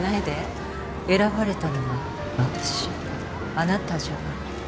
あなたじゃない。